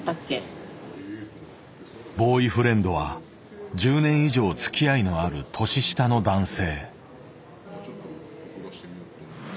ボーイフレンドは１０年以上つきあいのある年下の男性。